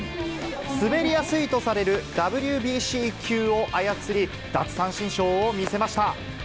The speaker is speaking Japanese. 滑りやすいとされるＷＢＣ球を操り、奪三振ショーを見せました。